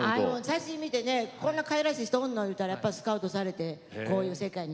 写真見てねこんなかわいらしい人おんのいうたらやっぱスカウトされてこういう世界に来はって。